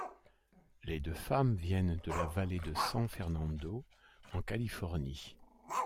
Les deux femmes viennent de la vallée de San Fernando en Californie.